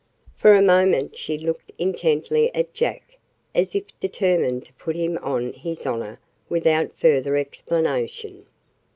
For a moment she looked intently at Jack, as if determined to put him on his honor without further explanation.